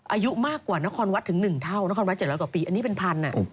อายุมากกว่านครวัดถึง๑เท่านครวัด๗๐๐กว่าปีอันนี้เป็นพัน